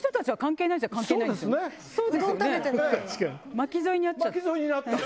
巻き添えに遭っちゃったの？